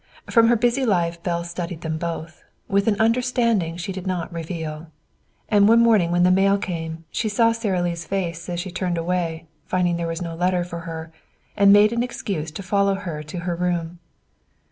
From her busy life Belle studied them both, with an understanding she did not reveal. And one morning when the mail came she saw Sara Lee's face as she turned away, finding there was no letter for her, and made an excuse to follow her to her room.